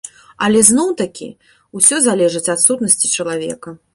Але зноў-такі, усё залежыць ад сутнасці чалавека.